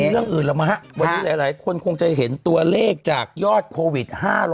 เรื่องอื่นแล้วมั้งฮะวันนี้หลายคนคงจะเห็นตัวเลขจากยอดโควิด๕๐๐